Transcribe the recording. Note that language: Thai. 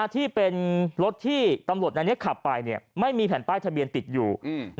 ที่เป็นรถที่ตำรวจในนี้ขับไปไม่มีแผ่นป้ายทะเบียนติดอยู่